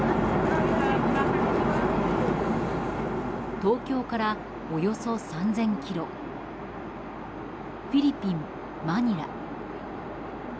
東京からおよそ３０００ｋｍフィリピン・マニラ。